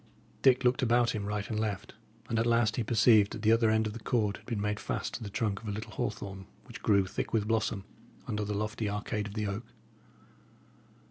Dick looked about him right and left; and at last he perceived that the other end of the cord had been made fast to the trunk of a little hawthorn which grew, thick with blossom, under the lofty arcade of the oak.